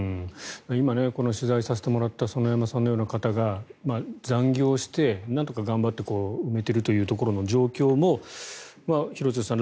今、取材させてもらった園山さんのような方が残業してなんとか頑張って埋めているという状況も廣津留さん